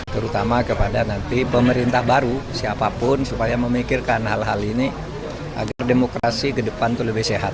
terutama kepada nanti pemerintah baru siapapun supaya memikirkan hal hal ini agar demokrasi ke depan itu lebih sehat